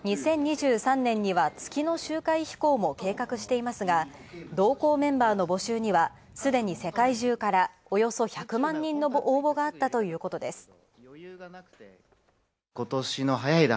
２０２３年には月の周回飛行も計画していますが、同行メンバーの募集にはすでに世界中からおよそ１００万人の応募があったということです。